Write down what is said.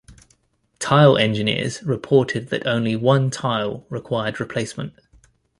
Tile engineers reported that only one tile required replacement.